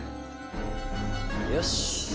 よし。